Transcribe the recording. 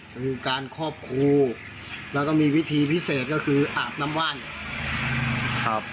คือการครอบครูแล้วก็มีวิธีพิเศษก็คืออาบน้ำว่านครับ